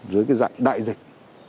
dưới cái dạng đại dịch